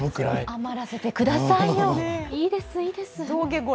余らせてくださいよ、いいです、いいです。